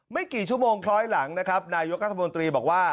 ไม่กี่ชั่วโมงคล้อยหลังนะครับนายกรัฐมนตรีบอกว่า